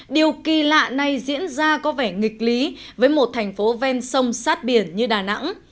điều kỳ lạ này diễn ra có vẻ nghịch lý với một thành phố ven sông sát biển như đà nẵng